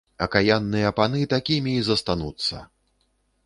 Акаянныя паны такімі і застануцца.